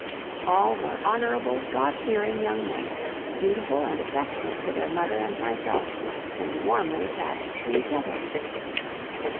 All were honorable, God fearing young men, dutiful and affectionate to their mother and myself, and warmly attached to each other.